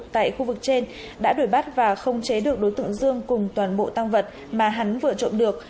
tại khu vực trên đã đuổi bắt và không chế được đối tượng dương cùng toàn bộ tăng vật mà hắn vừa trộm được